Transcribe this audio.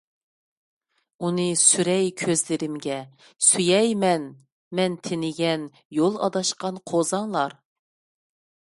ئۇنى سۈرەي كۆزلىرىمگە، سۆيەي مەن، مەن تېنىگەن، يول ئاداشقان قوزاڭلار ...